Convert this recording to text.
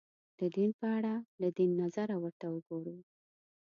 د دین په اړه له دین نظره ورته وګورو